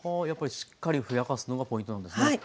やっぱりしっかりふやかすのがポイントなんですね。